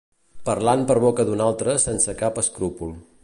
Parlant per boca d'un altre sense cap escrúpol.